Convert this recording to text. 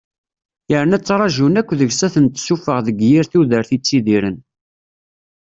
Yerna ttrajun akk deg-s ad ten-tessuffeɣ deg yir tudert i ttidiren.